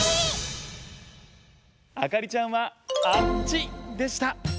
あかりちゃんはあっちでした！